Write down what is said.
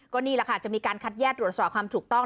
ก็นี่แหละค่ะจะมีการคัดแยกตรวจสอบความถูกต้อง